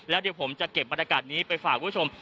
แล้วเดี๋ยวผมจะเก็บบรรยากาศนี้ไปฝากคุณผู้ชม